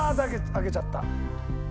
開けちゃった。